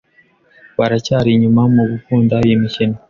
baracyari inyuma mu gukunda iyi mikino